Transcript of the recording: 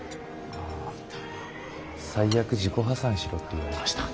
あ最悪自己破産しろって言われました。